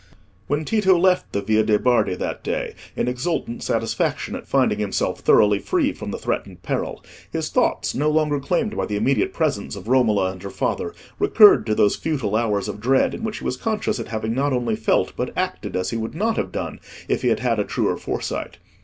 When Tito left the Via de' Bardi that day in exultant satisfaction at finding himself thoroughly free from the threatened peril, his thoughts, no longer claimed by the immediate presence of Romola and her father, recurred to those futile hours of dread in which he was conscious of having not only felt but acted as he would not have done if he had had a truer foresight.